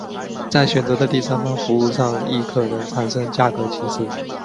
在选择的第三方服务上亦可能产生价格歧视。